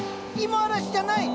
芋嵐じゃない。